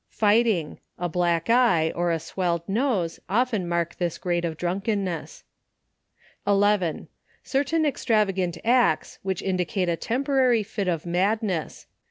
Fighting; a. black eye, or a swelled nose, often mark this grade of drunkenness. 11. Certain extravagant acts which indicate a tempo rary fit of madness.